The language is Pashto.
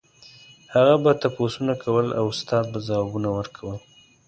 هغه به تپوسونه کول او استاد به ځوابونه ورکول.